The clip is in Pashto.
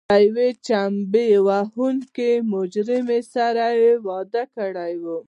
له یوې چمبه وهونکې مجرمې سره یې واده کړی و.